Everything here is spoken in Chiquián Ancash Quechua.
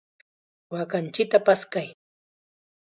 ¡Waakanchikta paskay!